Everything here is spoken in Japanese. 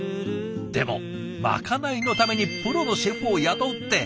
でもまかないのためにプロのシェフを雇うって。